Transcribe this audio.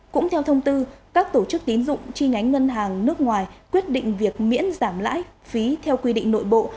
cũng theo thông tư các tổ chức tín dụng chi nhánh ngân hàng nước ngoài quyết định việc miễn giảm lãi phí theo quy định nội bộ